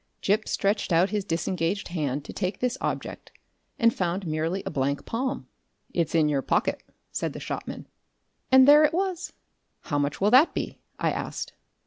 Gip stretched out his disengaged hand to take this object and found merely a blank palm. "It's in your pocket," said the shopman, and there it was! "How much will that be?" I asked.